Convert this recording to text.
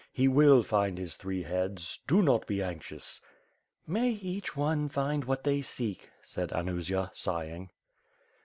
He will find his three heads. Do not be anxious." "May each one find what they seek," said Anusia, sighing.